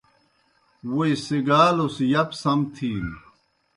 ووئی سگالُس یب سم تِھینوْ۔